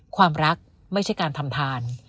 ความรักไม่ใช่การทำทาน